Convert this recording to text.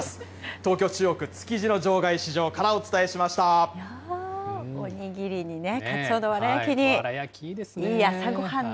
東京・中央区築地の場外市場からいやー、お握りにカツオのわわら焼き、いいですね。